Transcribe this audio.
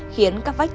khiến các vách tường